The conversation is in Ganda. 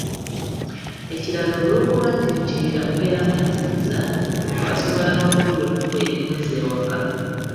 Ekirala olw’okuba nti mu kibira mubeeramu enzikiza, omuntu asobola n’okubulwa ekkubo erimuzza ewaka.